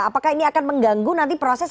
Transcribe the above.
apakah ini akan mengganggu nanti proses